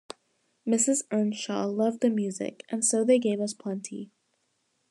Mrs. Earnshaw loved the music, and so they gave us plenty.